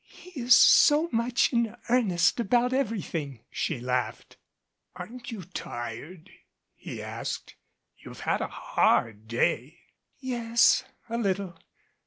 "He is so much in earnest about everything," she laughed. "Aren't you tired?" he asked. "You've had a hard day." "Yes a little.